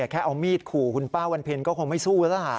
แค่เอามีดขู่คุณป้าวันเพ็ญก็คงไม่สู้แล้วล่ะ